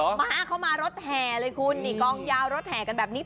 ไส้นักร้องก็จะมาเขามารถแหกองยาวรถแหกันแบบนี้